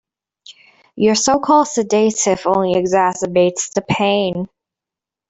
Your so-called sedative only exacerbates the pain.